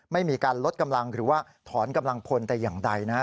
ไม่มีการลดกำลังหรือว่าถอนกำลังพลแต่อย่างใดนะฮะ